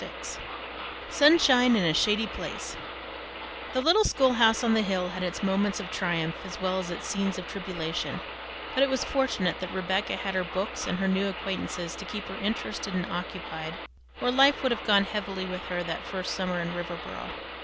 VI SUNSHINE IN A SHADY PLACE The little schoolhouse on the hill had its moments of triumph as well as its scenes of tribulation, but it was fortunate that Rebecca had her books and her new acquaintances to keep her interested and occupied, or life would have gone heavily with her that first summer in Riverboro.